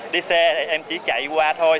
đi xe thì em chỉ chạy qua thôi